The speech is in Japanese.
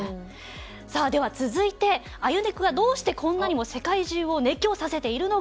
さあでは続いて『アユネク』がどうしてこんなにも世界中を熱狂させているのか